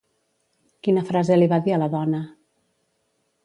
Quina frase li va dir a la dona?